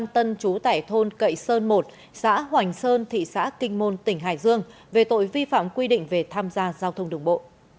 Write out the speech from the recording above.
tân chú tải thôn cậy sơn một xã hoành sơn thị xã kinh môn tỉnh hải dương về tội vi phạm quy định về tham gia giao thông đường bộ